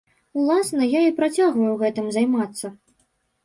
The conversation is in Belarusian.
Уласна, я і працягваю гэтым займацца.